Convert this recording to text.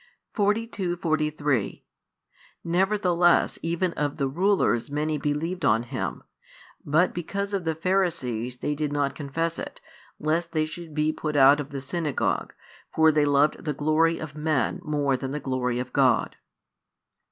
42, 43 Nevertheless even of the rulers many believed on Him; but because of the Pharisees they did not confess [it], lest they should be put out of the synagogue: for they loved the glory of men more than the glory of God.